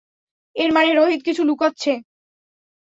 এর মানে রোহিত কিছু লুকাচ্ছে।